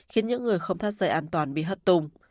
khiến những người không thắt rời an toàn bị hất tùng